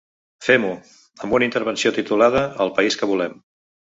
Fem-ho!’ amb una intervenció titulada ‘El país que volem’.